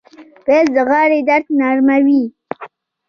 پیاز د غاړې درد نرموي